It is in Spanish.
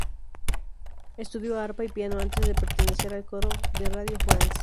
Estudió arpa y piano antes de pertenecer al coro de Radio France.